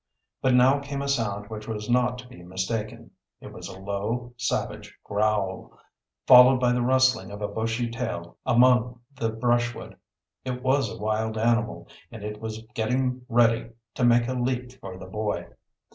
But now came a sound which was not to be mistaken. It was a low, savage growl, followed by the rustling of a bushy tail among the brushwood. It was a wild animal, and it was getting ready to make a leap for the boy!